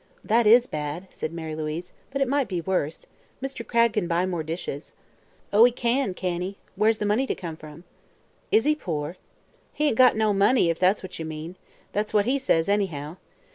"That is bad," said Mary Louise; "but it might be worse. Mr. Cragg can buy more dishes." "Oh, he can, can he? Where's the money comin' from?" "Is he poor?" "He ain't got no money, if that's what ye mean. That's what he says, anyhow.